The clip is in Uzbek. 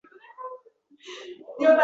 Sovuq xabarni ko`nglim sezib, yuragim uvishdi